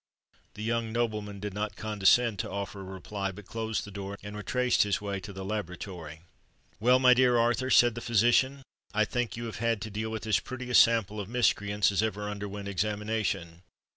The young nobleman did not condescend to offer a reply, but closed the door, and retraced his way to the laboratory. "Well, my dear Arthur," said the physician, "I think you have had to deal with as pretty a sample of miscreants as ever underwent examination.